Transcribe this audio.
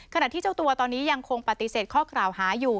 ขณะที่เจ้าตัวตอนนี้ยังคงปฏิเสธข้อกล่าวหาอยู่